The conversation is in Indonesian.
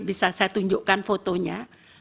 bisa saya tunjukkan fotonya